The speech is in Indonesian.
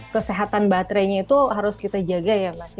kesehatan baterainya itu harus kita jaga ya mas